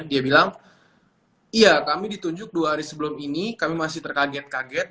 dia bilang iya kami ditunjuk dua hari sebelum ini kami masih terkaget kaget